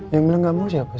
yang bilang gamau siapa sih